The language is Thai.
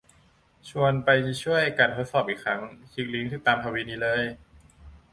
ชวนไปช่วยกันทดสอบอีกครั้ง คลิกลิงก์ตามทวีตนี้เลย